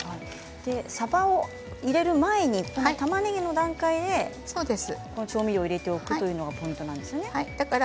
さばを入れる前にたまねぎの段階で調味料を入れておくというのがポイントなんですね。